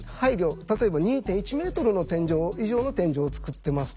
例えば２．１ｍ以上の天井を作ってますと。